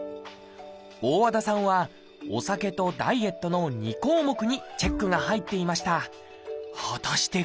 大和田さんは「お酒」と「ダイエット」の２項目にチェックが入っていました。